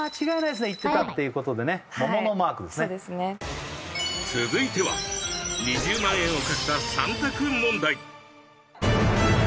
そうですね続いては２０万円をかけた３択問題